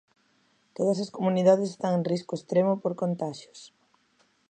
Todas as comunidades están en risco extremo por contaxios.